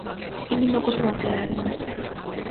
君のことを忘れられない